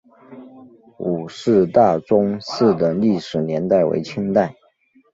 伍氏大宗祠的历史年代为清代。